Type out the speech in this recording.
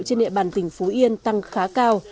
trên địa bàn tỉnh phú yên tăng khá cao